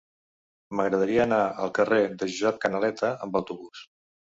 M'agradaria anar al carrer de Josep Canaleta amb autobús.